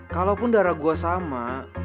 kalaupun darah gue sama